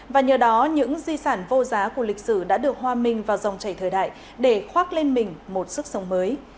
và nhờ đó những di sản vô giá của lịch sử đã được hoa minh vào dòng chảy thời đại để khoác lên mình một sức sống mới